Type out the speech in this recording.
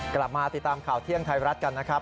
กลับมาติดตามข่าวเที่ยงไทยรัฐกันนะครับ